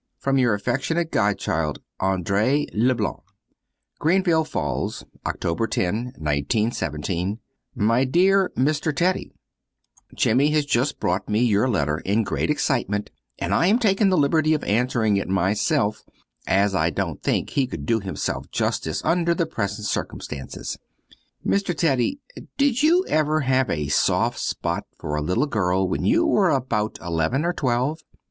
"_ From your affectionate godchild, Andrée Leblanc. Greenville Falls Oct. 10, 1917. My dear Mr. Teddy, Jimmy has just brought me your letter, in great excitement, and I am taking the liberty of answering it myself, as I don't think he could do himself justice under the present circumstances. Mr. Teddy, did you ever have a soft spot for a little girl, when you were about eleven or twelve?